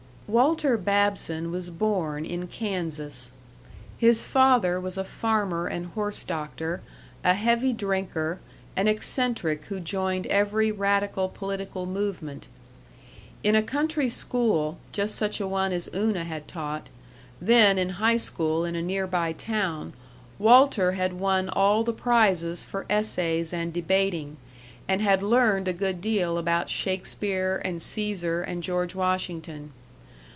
Walter Babson was born in Kansas. His father was a farmer and horse doctor, a heavy drinker, an eccentric who joined every radical political movement. In a country school, just such a one as Una had taught, then in high school in a near by town, Walter had won all the prizes for essays and debating, and had learned a good deal about Shakespeare and Cæsar and George Washington.